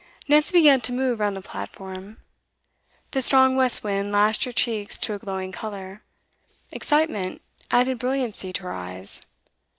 Nancy began to move round the platform. The strong west wind lashed her cheeks to a glowing colour; excitement added brilliancy to her eyes.